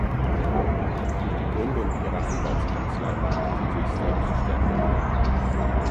Durch die Gründung ihrer Anwaltskanzlei machte sie sich selbstständig.